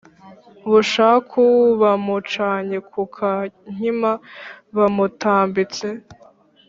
bushaku bamucanye ku ka nkima bamutambitse